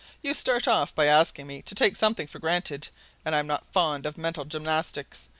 You start off by asking me to take something for granted, and I'm not fond of mental gymnastics.